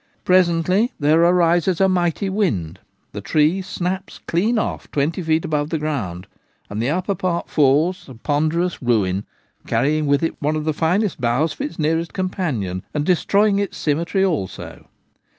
Presently there arises a mighty wind, the tree snaps clean off twenty feet above the ground, and the upper part falls, a ponderous ruin, carrying with it one of the finest boughs of its nearest companion, and destroying its symmetry also.